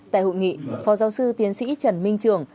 tại hội nghị phó giáo sư tiến sĩ trần minh trường